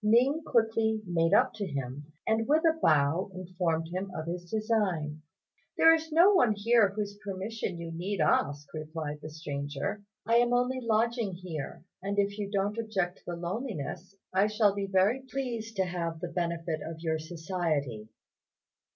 Ning quickly made up to him, and with a bow informed him of his design. "There is no one here whose permission you need ask," replied the stranger; "I am only lodging here, and if you don't object to the loneliness, I shall be very pleased to have the benefit of your society."